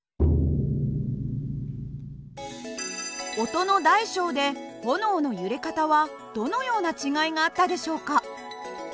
音の大小で炎の揺れ方はどのような違いがあったでしょうか。